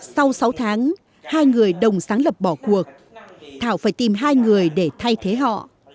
sau sáu tháng hai người đồng sáng lập bỏ cuộc thảo phải tìm hai người để thay thế họ